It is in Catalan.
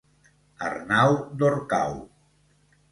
Arnau d'Orcau.